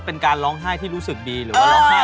เป็นการร้องไห้ที่รู้สึกดีหรือว่าร้องไห้